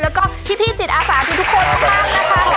แล้วก็พี่จิตอาสาทุกคนทุกท่านนะคะ